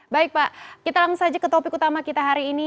baik pak kita langsung saja ke topik utama kita hari ini